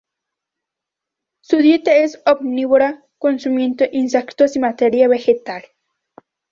Su dieta es omnívora, consumiendo insectos y material vegetal.